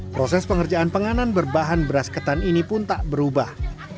proses pengerjaan penganan berbahan beras ketan ini pun tak berubah